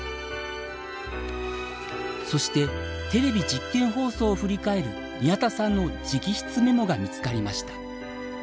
そしてテレビ実験放送を振り返る宮田さんの直筆メモが見つかりました。